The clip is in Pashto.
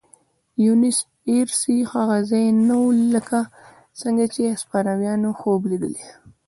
بونیس ایرس هغه ځای نه و لکه څنګه چې هسپانویانو خوب لیدلی.